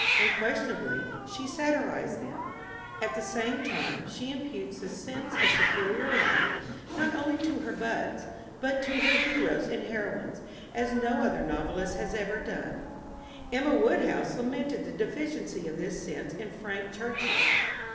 Unquestionably, she satirized them. At the same time, she imputes the sense of superior rank not only to her butts, but to her heroes and heroines, as no other novelist has ever done. Emma Woodhouse lamented the deficiency of this sense in Frank Churchill.